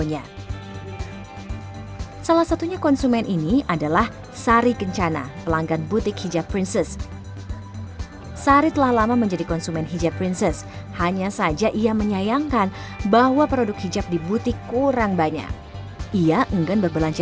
itu kepupukan philanthropic